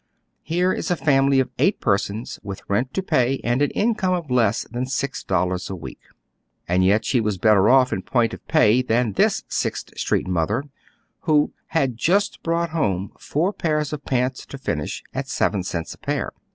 Here is a family of eight per sons with rent to pay and an income of less than six dol lars a week." And yet she was better off in point of pay than this Sixth Street mother, who "had just' brought home four pairs of pants to finish, at seven cents a pair.